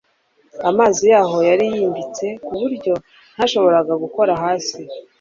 amazi yaho yari yimbitse kuburyo ntashobora gukora hasi